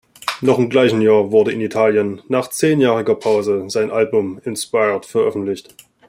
Noch im gleichen Jahr wurde in Italien, nach zehnjähriger Pause, sein Album "Inspired" veröffentlicht.